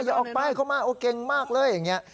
อย่าออกไปเข้ามาโอ้เก่งมากเลยอย่างนี้